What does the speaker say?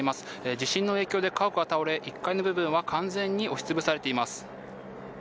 地震の影響で家屋が倒れ、１階の部分は完全に押しつぶされています。